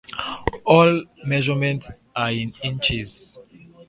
All measurements are in inches.